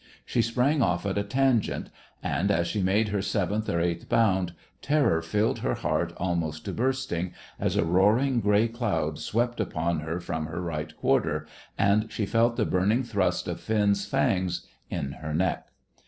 She sprang off at a tangent and, as she made her seventh or eighth bound, terror filled her heart almost to bursting, as a roaring grey cloud swept upon her from her right quarter, and she felt the burning thrust of Finn's fangs in her neck.